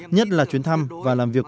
nhất là chuyến thăm và làm việc